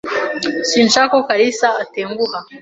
Sinshaka ko kalisa atenguha.